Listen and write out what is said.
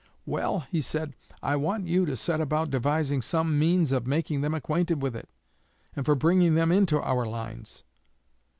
'Well,' he said, 'I want you to set about devising some means of making them acquainted with it, and for bringing them into our lines.'